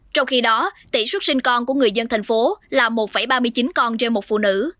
trong khi đó tỷ suất sinh con của người dân thành phố là một ba mươi chín con trên một phụ nữ